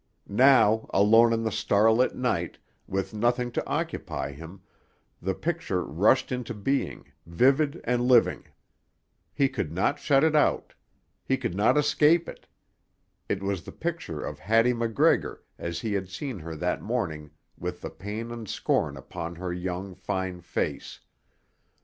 Now, alone in the star lit night, with nothing to occupy him, the picture rushed into being, vivid and living. He could not shut it out. He could not escape it. It was the picture of Hattie MacGregor as he had seen her that morning with the pain and scorn upon her young, fine face.